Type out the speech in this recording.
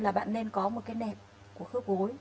là bạn nên có một cái nẹp của khớp gối